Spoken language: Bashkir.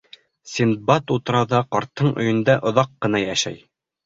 Синдбад утрауҙа, ҡарттың өйөндә оҙаҡ ҡына йәшәй.